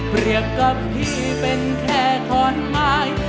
เปรียบกับพี่เป็นแค่ขอนไม้